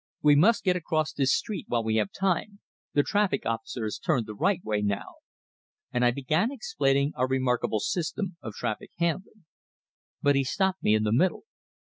"We must get across this street while we have time; the traffic officer has turned the right way now." And I began explaining our remarkable system of traffic handling. But he stopped me in the middle.